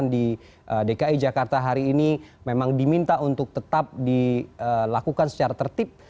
di dki jakarta hari ini memang diminta untuk tetap dilakukan secara tertib